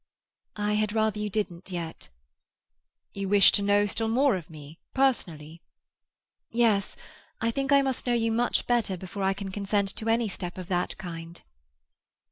"I had rather you didn't yet." "You wish to know still more of me, personally?" "Yes—I think I must know you much better before I can consent to any step of that kind."